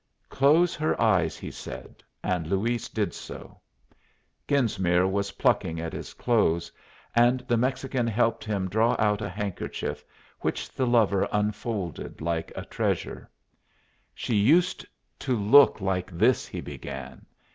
"Close her eyes," he said. And Luis did so. Genesmere was plucking at his clothes, and the Mexican helped him draw out a handkerchief, which the lover unfolded like a treasure. "She used to look like this," he began.